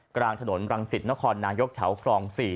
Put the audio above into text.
กลางถนนรังสิตนครนายกแถวครอง๔